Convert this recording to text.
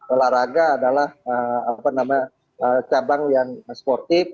olahraga adalah cabang yang sportif